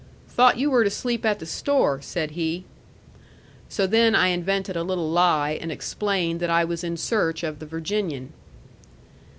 "Thought you were to sleep at the store?" said he. So then I invented a little lie, and explained that I was in search of the Virginian.